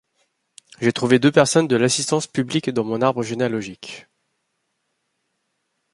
J'ai trouvé deux personnes de l'Assistance publique dans mon arbre généalogique.